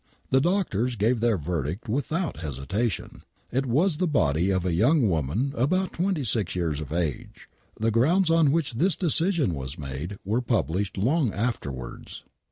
The doctors gave their verdict without hesitation. It was the body of a young woman about 26 years of age. The grounds on which this decision was made were published long afterwards.